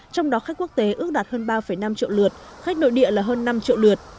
trong đó khách quốc tế ước đạt hơn ba năm triệu lượt khách nội địa là hơn năm triệu lượt